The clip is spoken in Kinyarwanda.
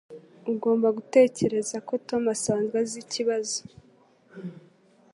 Ugomba gutekereza ko Tom asanzwe azi ikibazo.